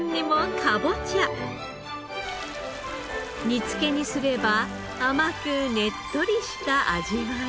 煮付けにすれば甘くねっとりした味わい。